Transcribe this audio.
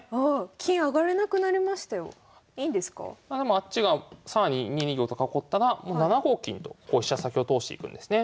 あっちが更に２二玉と囲ったらもう７五金と飛車先を通していくんですね。